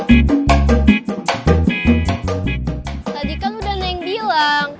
tadi kan udah neng bilang